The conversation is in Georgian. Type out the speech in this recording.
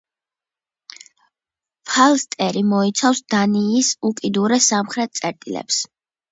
ფალსტერი მოიცავს დანიის უკიდურეს სამხრეთ წერტილებს.